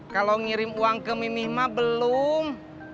kalau ngirim uang ke mi mi ma belum